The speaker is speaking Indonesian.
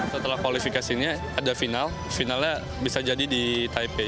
setelah kualifikasinya ada final finalnya bisa jadi di taipei